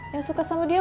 yang suka sama dia kan